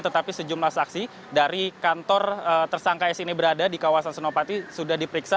tetapi sejumlah saksi dari kantor tersangka s ini berada di kawasan senopati sudah diperiksa